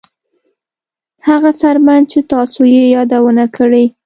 هغه څرمن چې تاسو یې یادونه کړې